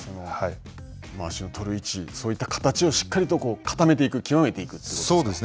まわしを取る位置、そういった形を固めていく、極めていくということですか。